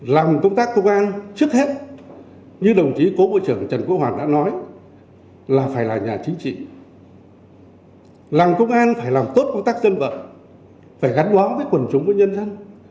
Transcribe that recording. làm công an phải làm tốt công tác dân vật phải gắn bóng với quần chúng với nhân dân